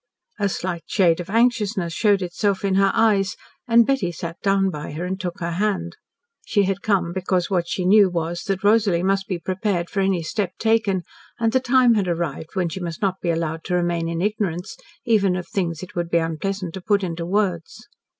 A slight shade of anxiousness showed itself in her eyes, and Betty sat down by her and took her hand. She had come because what she knew was that Rosalie must be prepared for any step taken, and the time had arrived when she must not be allowed to remain in ignorance even of things it would be unpleasant to put into words.